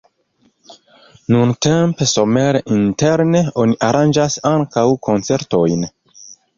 Nuntempe somere interne oni aranĝas ankaŭ koncertojn.